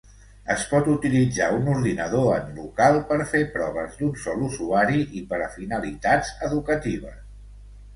Es pot utilitzar un ordinador en local per fer proves d'un sol usuari i per a finalitats educatives.